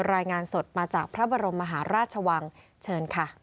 รายงานสดมาจากพระบรมมหาราชวังเชิญค่ะ